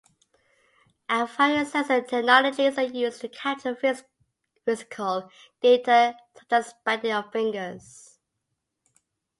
Various sensor technologies are used to capture physical data such as bending of fingers.